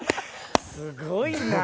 すごいな！